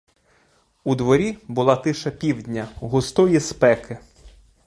У дворі була тиша півдня, густої спеки.